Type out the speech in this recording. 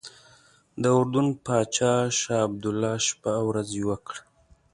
د اردن پاچا شاه عبدالله شپه او ورځ یوه کړه.